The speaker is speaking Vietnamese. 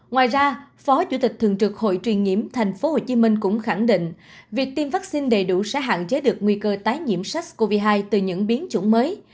ngoài ra phó chủ tịch thường trực hội truyền nhiễm tp hcm cũng khẳng định việc tiêm vaccine đầy đủ sẽ hạn chế được nguy cơ tái nhiễm sars cov hai từ những biến chủng mới